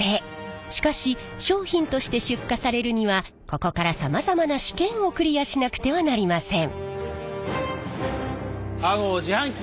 しかし商品として出荷されるにはここからさまざまな試験をクリアしなくてはなりません。